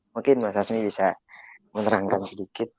mungkin mas azmi bisa menerangkan sedikit